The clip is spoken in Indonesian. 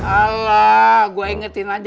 alah gua ingetin aja